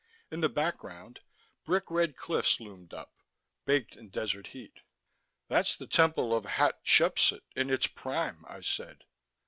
In the background, brick red cliffs loomed up, baked in desert heat. "That's the temple of Hat Shepsut in its prime," I said.